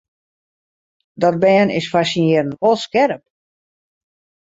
Dat bern is foar syn jierren wol skerp.